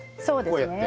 こうやって。